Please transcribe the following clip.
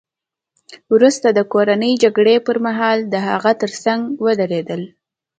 وروسته د کورنۍ جګړې پرمهال د هغه ترڅنګ ودرېدل